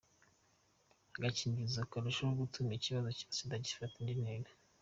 Agakingiro karushaho gutuma ikibazo cya Sida gifata indi ntera”.